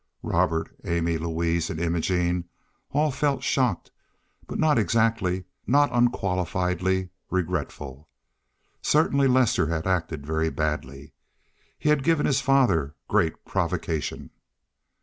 Robert, Amy, Louise and Imogene all felt shocked, but not exactly, not unqualifiedly regretful. Certainly Lester had acted very badly. He had given his father great provocation.